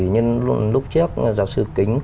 nhưng lúc trước giáo sư kính